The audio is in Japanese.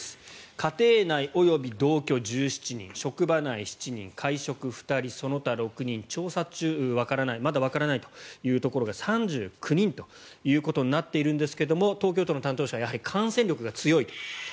家庭内及び同居、１７人職場内、７人会食、２人その他、６人調査中、まだわからないというところが３９人となっていますが東京都の担当者はやはり、感染力が強いと。